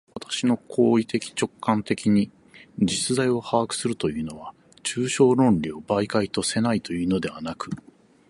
私の行為的直観的に実在を把握するというのは、抽象論理を媒介とせないというのではなく、